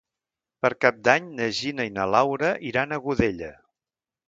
Per Cap d'Any na Gina i na Laura iran a Godella.